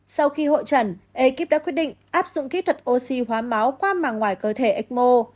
sau khi hội trần ekip đã quyết định áp dụng kỹ thuật oxy hóa máu qua màng ngoài cơ thể ecmo